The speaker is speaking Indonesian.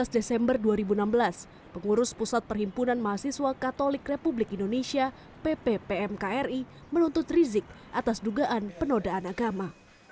tujuh belas desember dua ribu enam belas pengurus pusat perhimpunan mahasiswa katolik republik indonesia pppmkri menuntut rizik atas dugaan penodaan agama